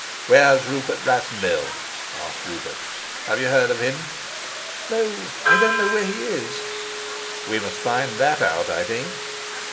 "Where's Rudolf Rassendyll?" asked Rupert. "Have you heard of him?" "No, I don't know where he is." "We must find that out, I think."